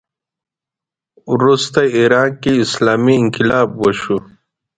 وروسته ایران کې اسلامي انقلاب وشو